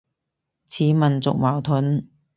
似民族矛盾